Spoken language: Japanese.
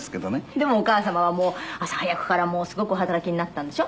でもお母様はもう朝早くからすごくお働きになったんでしょ？